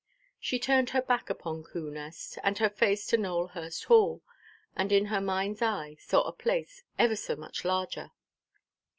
She turned her back upon Coo Nest, and her face to Nowelhurst Hall, and in her mindʼs eye saw a place ever so much larger.